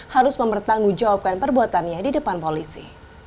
harus mempertanggungjawabkan perbuatannya di depan polisi